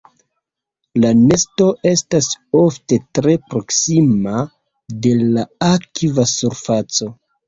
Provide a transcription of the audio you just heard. La nesto estas ofte tre proksima de la akva surfaco.